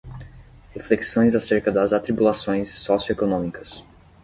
Reflexões acerca das atribulações socioeconômicas